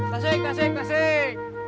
tasik tasik tasik